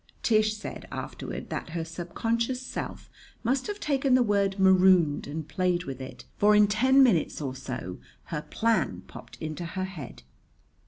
Tish said afterward that her subconscious self must have taken the word "marooned" and played with it; for in ten minutes or so her plan popped into her head.